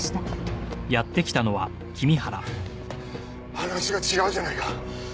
話が違うじゃないか。